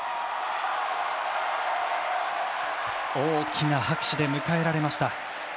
大きな拍手で迎えられました。